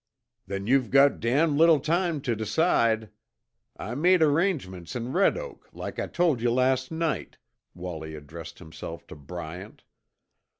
"Then you've got damned little time to decide. I made arrangements in Red Oak, like I told you last night." Wallie addressed himself to Bryant.